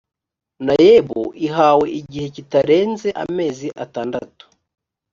naeb ihawe igihe kitarenze amezi atandatu